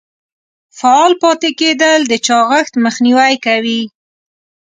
فعال پاتې کیدل د چاغښت مخنیوی کوي.